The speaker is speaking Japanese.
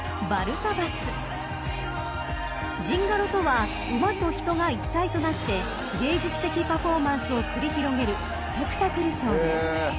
［ジンガロとは馬と人が一体となって芸術的パフォーマンスを繰り広げるスペクタクルショーです］